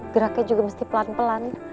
geraknya juga mesti pelan pelan